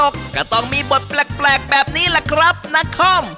ละครตลกก็ต้องมีบทแปลกแบบนี้ล่ะครับนักคม